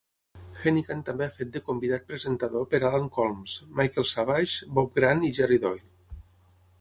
Henican també ha fet de convidat-presentador per Alan Colmes, Michael Savage, Bob Grant i Jerry Doyle.